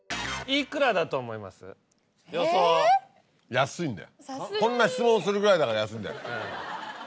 安いんだよこんな質問するぐらいだから安いんだよ。